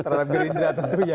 terhadap gerindra tentunya